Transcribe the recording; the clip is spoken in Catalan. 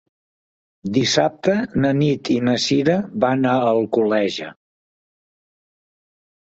Dissabte na Nit i na Cira van a Alcoleja.